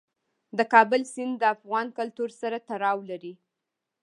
د کابل سیند د افغان کلتور سره تړاو لري.